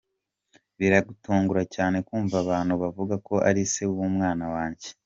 Birantungura cyane kumva abantu bavuga ko ari se w’umwana wanjye.